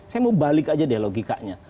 saya mau balik aja deh logikanya